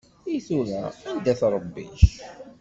I tura anda-t Ṛebbi-k?